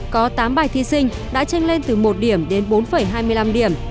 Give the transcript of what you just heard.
có tám bài thi sinh đã tranh lên từ một điểm đến bốn hai mươi năm điểm